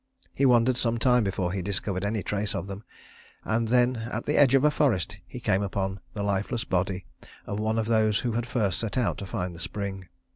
He wandered some time before he discovered any trace of them, and then at the edge of a forest he came upon the lifeless body of one of those who had first set out to find the spring.